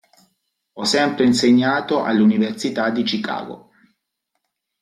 Ha sempre insegnato all'Università di Chicago.